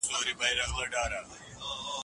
د ملاریا ناروغي چيري زیاته ده؟